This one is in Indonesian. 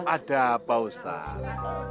ada pak ustadz